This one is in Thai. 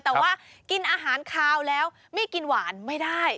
แต่ว่ากินอาหารคาวแล้วไม่กินหวานไม่ได้